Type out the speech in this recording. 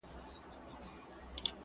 هغه اقتصاد چي پياوړی وي سياسي ملاتړ لري.